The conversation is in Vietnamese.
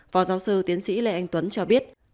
phó giáo sư tiến sĩ lê anh tuấn cho biết